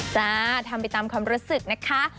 จ้าทำไปตามความรู้สึกนะคะ